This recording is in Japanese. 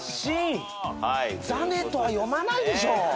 「ざね」とは読まないでしょ！